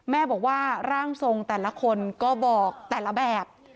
แม่บอกว่าร่างทรงแต่ละคนก็บอกแต่ละแบบ